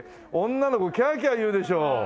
女の子キャーキャー言うでしょ。